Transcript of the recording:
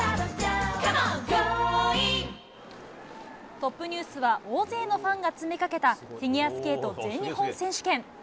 トップニュースは大勢のファンが詰めかけた、フィギュアスケート全日本選手権。